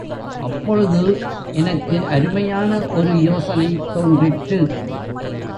அப்பொழுது எனக்கு அருமையான ஒரு யோசனை தோன்றிற்று.